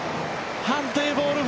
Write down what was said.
判定はボール。